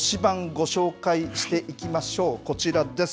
ご紹介していきましょうこちらです。